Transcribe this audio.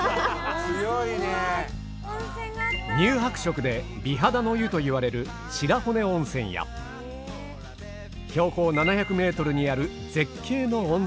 乳白色で美肌の湯といわれる白骨温泉や標高７００ｍにある絶景の温泉など。